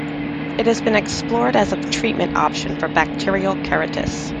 It has been explored as a treatment option for bacterial keratitis.